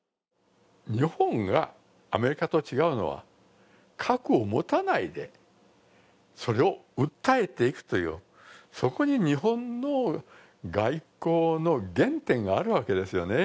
日本がアメリカと違うのは、核を持たないでそれを訴えていくというそこに日本の外交の原点があるわけですよね。